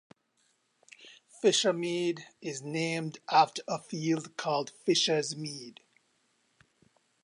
Fishermead is named after a field called Fishers Mead.